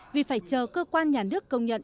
vì phải chờ cơ quan nhà nước công nhận